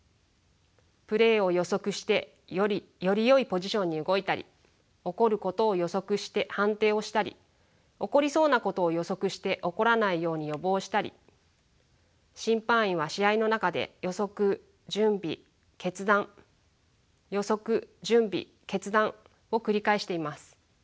プレーを予測してよりよいポジションに動いたり起こることを予測して判定をしたり起こりそうなことを予測して起こらないように予防したり審判員は試合の中で予測準備決断予測準備決断を繰り返しています。